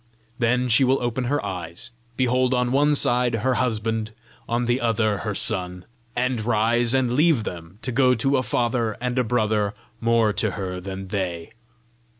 Then she will open her eyes, behold on one side her husband, on the other her son and rise and leave them to go to a father and a brother more to her than they."